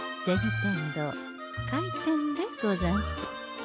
天堂開店でござんす。